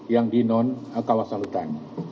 yang di non kawasan hutan